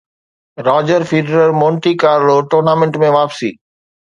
Roger Federer Monte Carlo tournament ۾ واپسي